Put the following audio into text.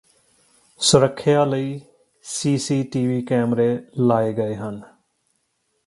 ਸੁਰੱਖਿਆ ਲਈ C C T V ਕੈਮਰੇ ਲਾਏ ਗਏ ਹਨ